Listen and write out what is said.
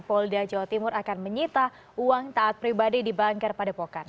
poldia jawa timur akan menyita uang taat pribadi di bankar pada pokat